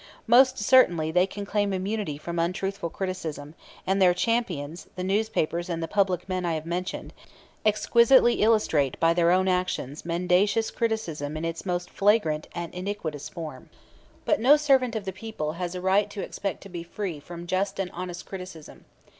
Most certainly they can claim immunity from untruthful criticism; and their champions, the newspapers and the public men I have mentioned, exquisitely illustrate by their own actions mendacious criticism in its most flagrant and iniquitous form. But no servant of the people has a right to expect to be free from just and honest criticism.